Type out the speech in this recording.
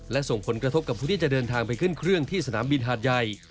และส่งผลกระทบกับผู้ที่จะเดินทางไปขึ้นเครื่องที่สนามบินหาดใหญ่